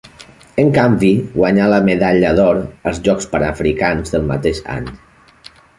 En canvi, guanyà la medalla d'or als Jocs Panafricans del mateix any.